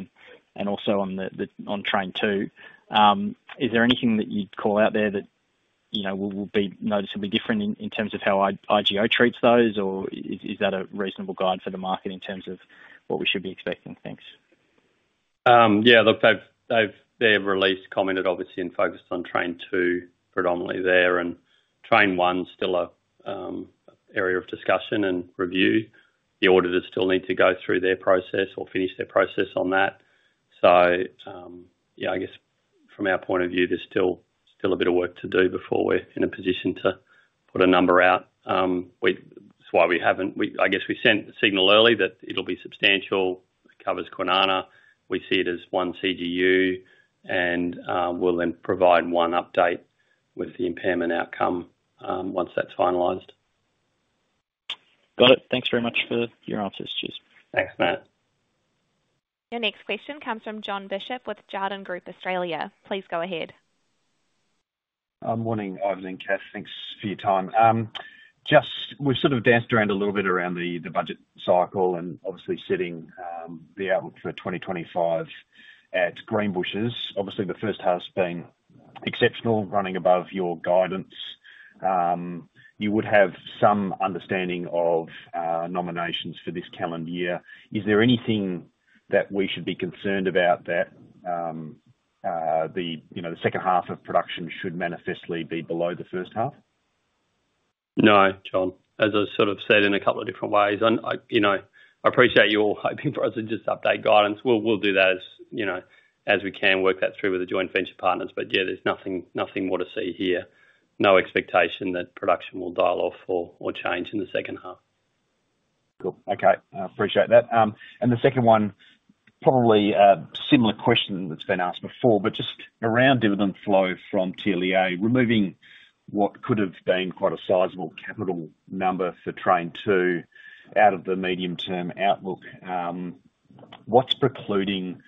K: and also on Train 2. Is there anything that you'd call out there that will be noticeably different in terms of how IGO treats those, or is that a reasonable guide for the market in terms of what we should be expecting? Thanks.
B: Yeah. Look, they have released comments, obviously, and focused on Train 2 predominantly there, and Train 1 is still an area of discussion and review. The auditors still need to go through their process or finish their process on that. So yeah, I guess from our point of view, there's still a bit of work to do before we're in a position to put a number out. That's why we haven't. I guess we sent the signal early that it'll be substantial. It covers Kwinana. We see it as one CGU, and we'll then provide one update with the impairment outcome once that's finalized.
K: Got it. Thanks very much for your answers, yes.
B: Thanks, Matt.
A: Your next question comes from Jon Bishop with Jarden, Australia. Please go ahead.
L: Morning, Ivan and Kath. Thanks for your time. We've sort of danced around a little bit around the budget cycle and obviously sitting the outlook for 2025 at Greenbushes. Obviously, the first half has been exceptional, running above your guidance. You would have some understanding of nominations for this calendar year. Is there anything that we should be concerned about that the second half of production should manifestly be below the first half?
B: No, Jon. As I sort of said in a couple of different ways, I appreciate you all hoping for us to just update guidance. We'll do that as we can, work that through with the joint venture partners. But yeah, there's nothing more to see here. No expectation that production will dial off or change in the second half.
L: Cool. Okay. Appreciate that. And the second one, probably a similar question that's been asked before, but just around dividend flow from TLEA, removing what could have been quite a sizable capital number for Train 2 out of the medium-term outlook, what's precluding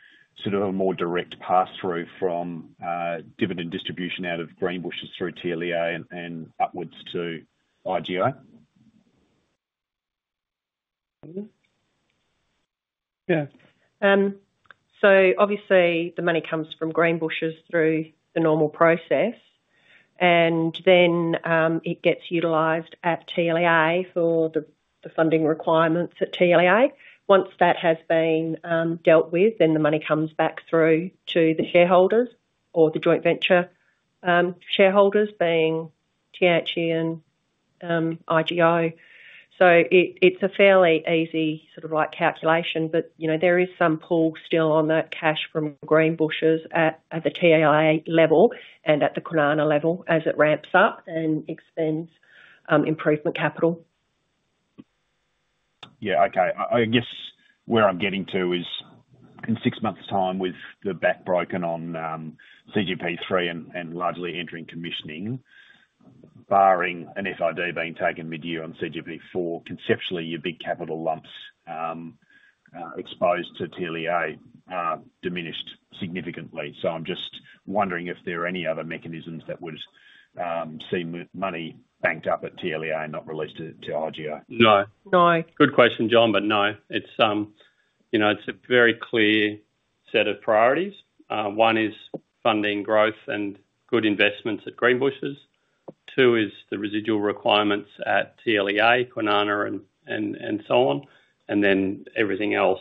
L: sort of a more direct pass-through from dividend distribution out of Greenbushes through TLEA and upwards to IGO?
D: Yeah. So obviously, the money comes from Greenbushes through the normal process, and then it gets utilized at TLEA for the funding requirements at TLEA. Once that has been dealt with, then the money comes back through to the shareholders or the joint venture shareholders being TLC and IGO. It's a fairly easy sort of calculation, but there is some pull still on that cash from Greenbushes at the TLEA level and at the Kwinana level as it ramps up and expends improvement capital.
L: Yeah. Okay. I guess where I'm getting to is in six months' time with the back broken on CGP3 and largely entering commissioning, barring an FID being taken mid-year on CGP4, conceptually, your big capital lumps exposed to TLEA diminished significantly. So I'm just wondering if there are any other mechanisms that would see money banked up at TLEA and not released to IGO.
B: No.
D: No.
B: Good question, Jon, but no. It's a very clear set of priorities. One is funding growth and good investments at Greenbushes. Two is the residual requirements at TLEA, Kwinana and so on. Then everything else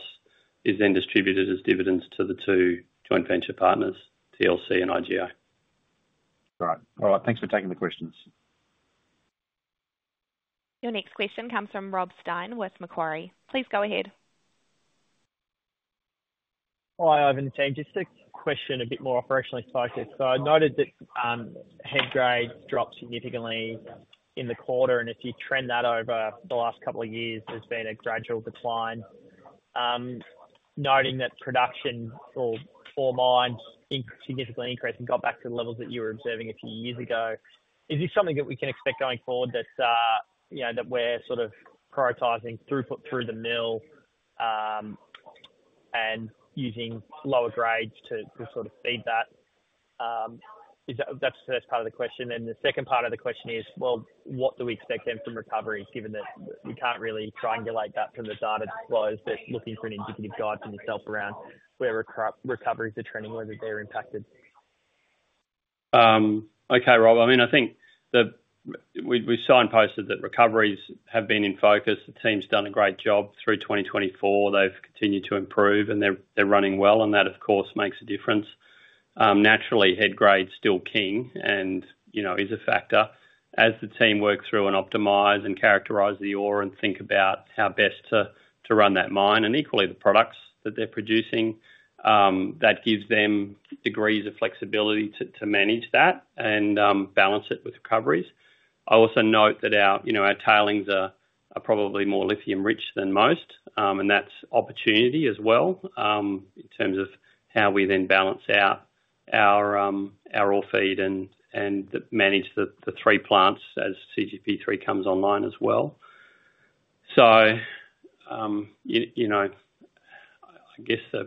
B: is then distributed as dividends to the two joint venture partners, TLC and IGO.
L: All right. All right. Thanks for taking the questions.
A: Your next question comes from Rob Stein with Macquarie. Please go ahead.
M: Hi, Ivan and Kath. Just a question a bit more operationally focused. So I noted that head grade dropped significantly in the quarter, and if you trend that over the last couple of years, there's been a gradual decline. Noting that production for mines significantly increased and got back to the levels that you were observing a few years ago, is this something that we can expect going forward that we're sort of prioritizing throughput through the mill and using lower grades to sort of feed that? That's the first part of the question. The second part of the question is, well, what do we expect then from recoveries given that we can't really triangulate that from the data that's looking for an indicative guide for yourself around where recoveries are trending, whether they're impacted?
B: Okay, Rob. I mean, I think we signposted that recoveries have been in focus. The team's done a great job through 2024. They've continued to improve, and they're running well, and that, of course, makes a difference. Naturally, head grade's still king and is a factor. As the team work through and optimize and characterize the ore and think about how best to run that mine and equally the products that they're producing, that gives them degrees of flexibility to manage that and balance it with recoveries. I also note that our tailings are probably more lithium-rich than most, and that's opportunity as well in terms of how we then balance out our ore feed and manage the three plants as CGP3 comes online as well. So I guess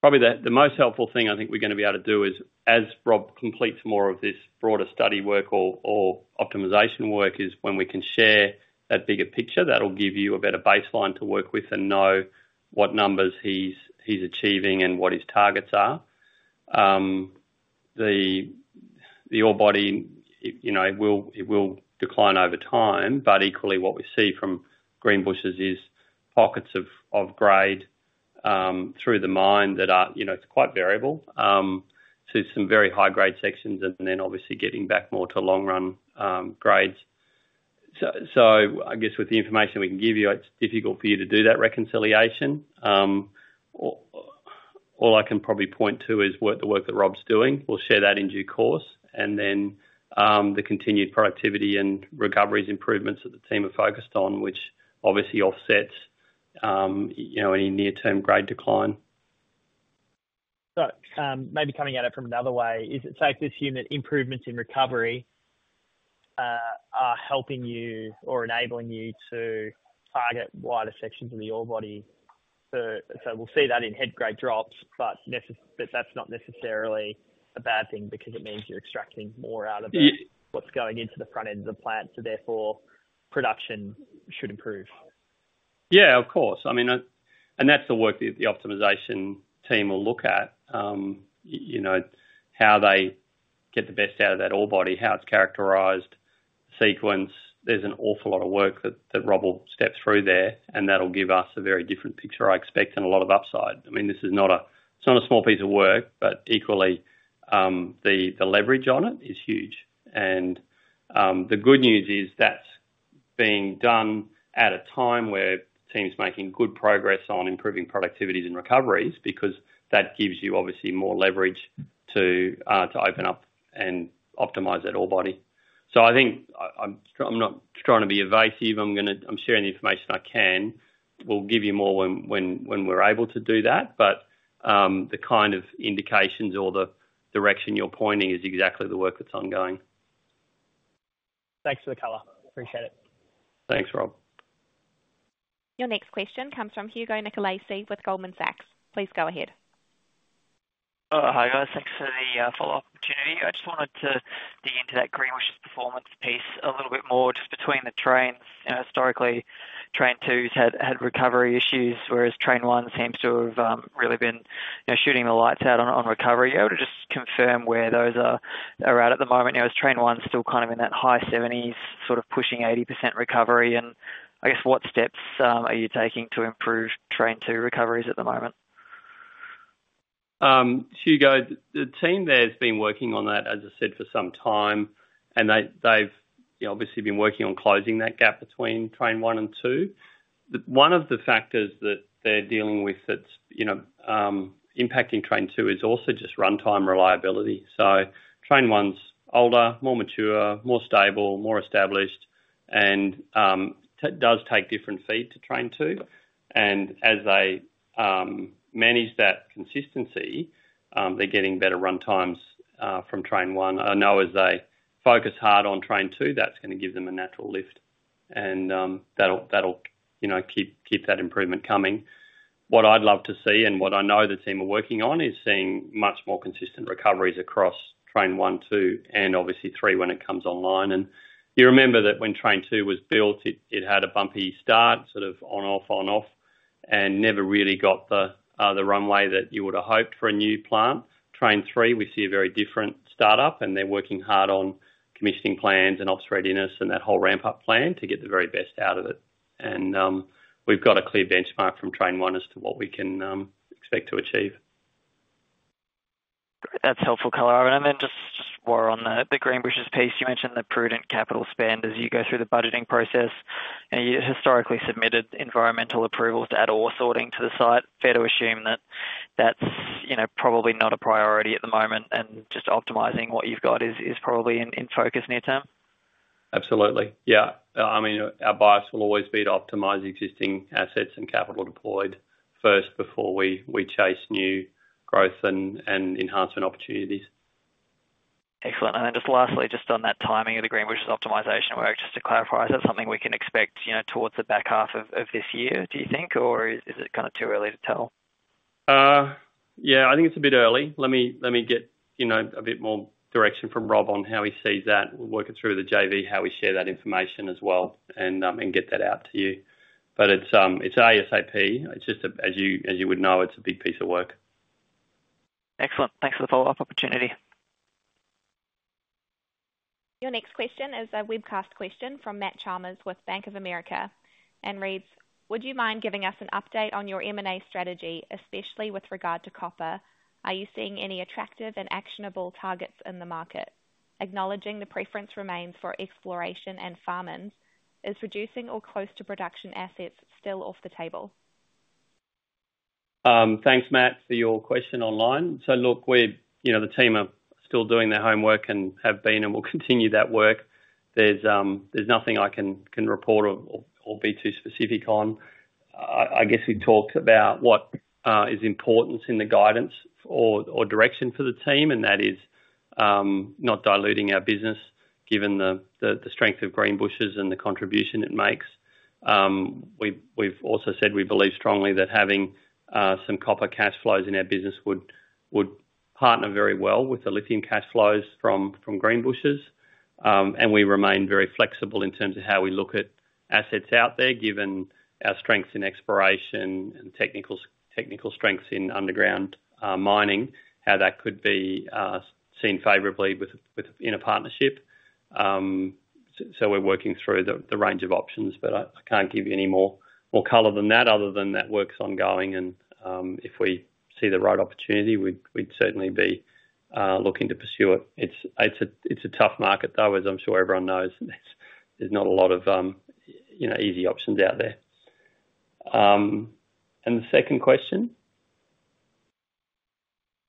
B: probably the most helpful thing I think we're going to be able to do is, as Rob completes more of this broader study work or optimization work, is when we can share that bigger picture that'll give you a better baseline to work with and know what numbers he's achieving and what his targets are. The ore body, it will decline over time, but equally, what we see from Greenbushes is pockets of grade through the mine that are quite variable to some very high-grade sections and then obviously getting back more to long-run grades. So I guess with the information we can give you, it's difficult for you to do that reconciliation. All I can probably point to is the work that Rob's doing. We'll share that in due course. And then the continued productivity and recoveries improvements that the team have focused on, which obviously offsets any near-term grade decline.
M: So maybe coming at it from another way, is it safe to assume that improvements in recovery are helping you or enabling you to target wider sections of the ore body? So we'll see that in head grade drops, but that's not necessarily a bad thing because it means you're extracting more out of what's going into the front end of the plant. So therefore, production should improve.
B: Yeah, of course. I mean, and that's the work that the optimization team will look at, how they get the best out of that ore body, how it's characterized, sequence. There's an awful lot of work that Rob will step through there, and that'll give us a very different picture, I expect, and a lot of upside. I mean, this is not a small piece of work, but equally, the leverage on it is huge. And the good news is that's being done at a time where the team's making good progress on improving productivities and recoveries because that gives you obviously more leverage to open up and optimize that ore body. So I think I'm not trying to be evasive. I'm sharing the information I can. We'll give you more when we're able to do that, but the kind of indications or the direction you're pointing is exactly the work that's ongoing.
M: Thanks for the color. Appreciate it.
B: Thanks, Rob.
A: Your next question comes from Hugo Nicolaci with Goldman Sachs. Please go ahead.
C: Hi, guys. Thanks for the follow-up opportunity. I just wanted to dig into that Greenbushes performance piece a little bit more just between the trains. Historically, Train 2's had recovery issues, whereas Train 1 seems to have really been shooting the lights out on recovery. Are you able to just confirm where those are at the moment? Now, is Train 1 still kind of in that high 70s, sort of pushing 80% recovery? And I guess what steps are you taking to improve Train 2 recoveries at the moment?
B: Hugo, the team there has been working on that, as I said, for some time, and they've obviously been working on closing that gap between Train 1 and 2. One of the factors that they're dealing with that's impacting Train 2 is also just runtime reliability. So Train 1's older, more mature, more stable, more established, and does take different feed to Train 2. And as they manage that consistency, they're getting better runtimes from Train 1. I know as they focus hard on Train 2, that's going to give them a natural lift, and that'll keep that improvement coming. What I'd love to see and what I know the team are working on is seeing much more consistent recoveries across Train 1, 2, and obviously 3 when it comes online. And you remember that when Train 2 was built, it had a bumpy start, sort of on-off, on-off, and never really got the runway that you would have hoped for a new plant. Train 3, we see a very different startup, and they're working hard on commissioning plans and ops readiness and that whole ramp-up plan to get the very best out of it, and we've got a clear benchmark from Train 1 as to what we can expect to achieve.
C: That's helpful color, Ivan. And then just more on the Greenbushes piece. You mentioned the prudent capital spend as you go through the budgeting process. You historically submitted environmental approvals to add ore sorting to the site. Fair to assume that that's probably not a priority at the moment, and just optimizing what you've got is probably in focus near term?
B: Absolutely. Yeah. I mean, our bias will always be to optimize existing assets and capital deployed first before we chase new growth and enhancement opportunities.
C: Excellent. And then just lastly, just on that timing of the Greenbushes optimization work, just to clarify, is that something we can expect towards the back half of this year, do you think, or is it kind of too early to tell?
B: Yeah, I think it's a bit early. Let me get a bit more direction from Rob on how he sees that. We'll work it through with the JV, how we share that information as well, and get that out to you. But it's ASAP. It's just, as you would know, it's a big piece of work.
C: Excellent. Thanks for the follow-up opportunity.
A: Your next question is a webcast question from Matt Chalmers with Bank of America and reads, "Would you mind giving us an update on your M&A strategy, especially with regard to copper? Are you seeing any attractive and actionable targets in the market? Acknowledging the preference remains for exploration and farm-ins. Is reducing or close to production assets still off the table?
B: Thanks, Matt, for your question online. So look, the team are still doing their homework and have been and will continue that work. There's nothing I can report or be too specific on. I guess we talked about what is important in the guidance or direction for the team, and that is not diluting our business given the strength of Greenbushes and the contribution it makes. We've also said we believe strongly that having some copper cash flows in our business would partner very well with the lithium cash flows from Greenbushes. And we remain very flexible in terms of how we look at assets out there, given our strengths in exploration and technical strengths in underground mining, how that could be seen favorably in a partnership. So we're working through the range of options, but I can't give you any more color than that other than that work's ongoing, and if we see the right opportunity, we'd certainly be looking to pursue it. It's a tough market, though, as I'm sure everyone knows. There's not a lot of easy options out there. And the second question?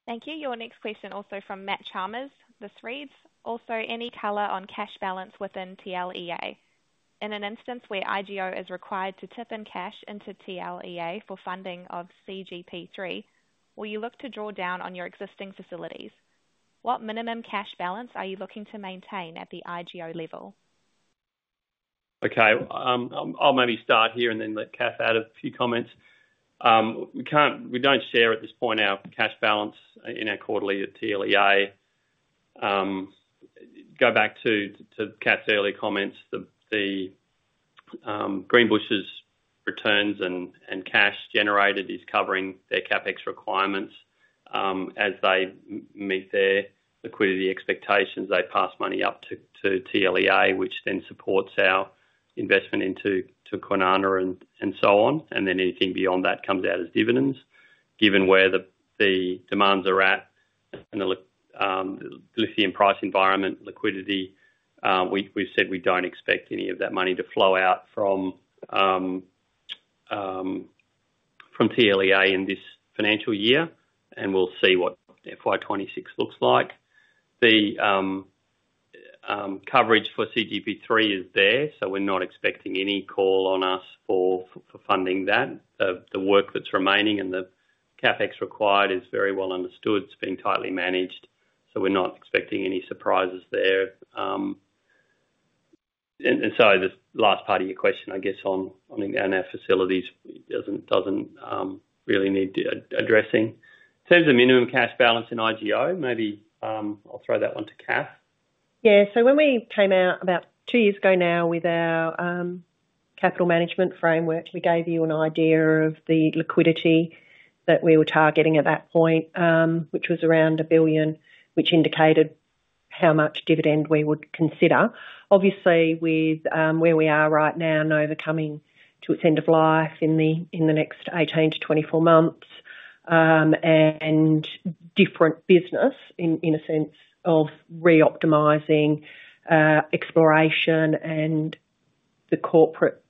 A: Thank you. Your next question also from Matt Chalmers. This reads, "Also, any color on cash balance within TLEA? In an instance where IGO is required to chip in cash into TLEA for funding of CGP3, will you look to draw down on your existing facilities? What minimum cash balance are you looking to maintain at the IGO level?"
B: Okay. I'll maybe start here and then let Kath add a few comments. We don't share at this point our cash balance in our quarterly at TLEA. Go back to Kath's earlier comments. The Greenbushes returns and cash generated is covering their CapEx requirements. As they meet their liquidity expectations, they pass money up to TLEA, which then supports our investment into Kwinana and so on. And then anything beyond that comes out as dividends. Given where the demands are at and the lithium price environment, liquidity, we've said we don't expect any of that money to flow out from TLEA in this financial year, and we'll see what FY26 looks like. The coverage for CGP3 is there, so we're not expecting any call on us for funding that. The work that's remaining and the CapEx required is very well understood. It's being tightly managed, so we're not expecting any surprises there. And sorry, the last part of your question, I guess, on our facilities doesn't really need addressing. In terms of minimum cash balance in IGO, maybe I'll throw that one to Kath.
D: Yeah. So when we came out about two years ago now with our capital management framework, we gave you an idea of the liquidity that we were targeting at that point, which was around 1 billion, which indicated how much dividend we would consider. Obviously, with where we are right now, Nova coming to its end of life in the next 18 to 24 months and different business in a sense of reoptimizing exploration and the corporate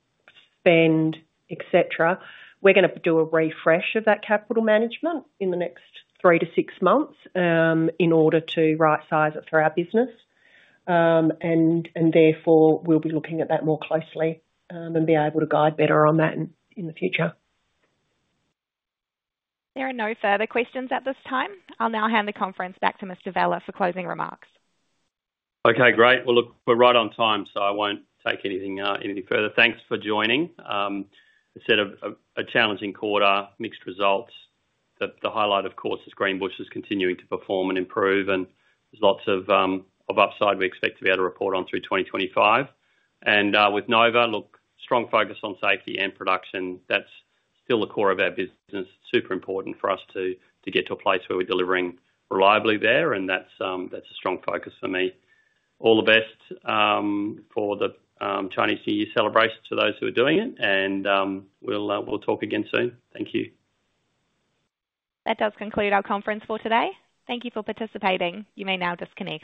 D: spend, etc., we're going to do a refresh of that capital management in the next three to six months in order to right-size it for our business. And therefore, we'll be looking at that more closely and be able to guide better on that in the future.
A: There are no further questions at this time. I'll now hand the conference back to Mr. Vella for closing remarks.
B: Okay. Great. Well, look, we're right on time, so I won't take anything further. Thanks for joining. I said a challenging quarter, mixed results. The highlight, of course, is Greenbushes continuing to perform and improve, and there's lots of upside we expect to be able to report on through 2025, and with Nova, look, strong focus on safety and production. That's still the core of our business. It's super important for us to get to a place where we're delivering reliably there, and that's a strong focus for me. All the best for the Chinese New Year celebrations to those who are doing it, and we'll talk again soon. Thank you.
A: That does conclude our conference for today. Thank you for participating. You may now disconnect.